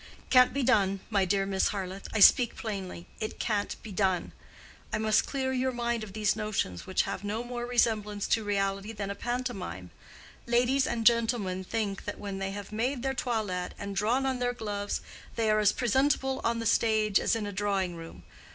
"Can't be done, my dear Miss Harleth—I speak plainly—it can't be done. I must clear your mind of these notions which have no more resemblance to reality than a pantomime. Ladies and gentlemen think that when they have made their toilet and drawn on their gloves they are as presentable on the stage as in a drawing room.